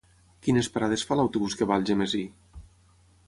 Quines parades fa l'autobús que va a Algemesí?